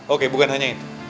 oke bukan hanya itu